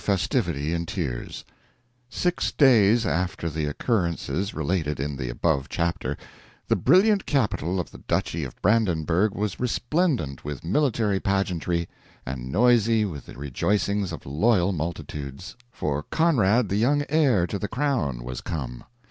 FESTIVITY AND TEARS Six days after the occurrences related in the above chapter, the brilliant capital of the Duchy of Brandenburgh was resplendent with military pageantry, and noisy with the rejoicings of loyal multitudes; for Conrad, the young heir to the crown, was come.